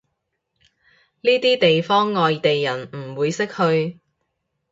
呢啲地方外地人唔會識去